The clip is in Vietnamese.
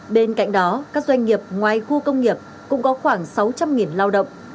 bên cạnh đó các doanh nghiệp ngoài khu công nghiệp cũng có khoảng sáu trăm linh lao động